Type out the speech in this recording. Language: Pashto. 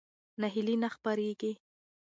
ناهیلي نه خپرېږي.